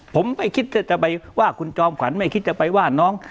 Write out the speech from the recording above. ผมไม่คิดจะไปว่าคุณจอมขวัญไม่คิดจะไปว่าน้อง